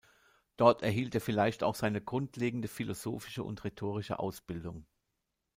Dort erhielt er vielleicht auch seine grundlegende philosophische und rhetorische Ausbildung.